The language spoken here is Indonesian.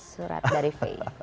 surat dari faye